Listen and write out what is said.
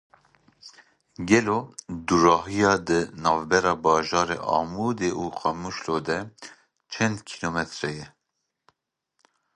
Gelo dûrahiya di navbera bajarê Amûdê û Qamişloyê de çend kîlometre ye?